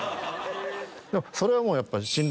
それはもうやっぱ。